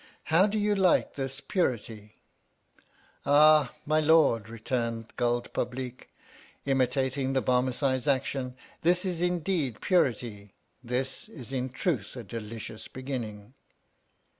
Ho\v do you like this purity ? Ah, my Lord, returned Guld Publeek, imitating the Barmecide's action, this is indeed purity : this ia in truth a delicious beginning.